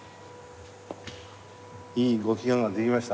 いいご祈願ができました。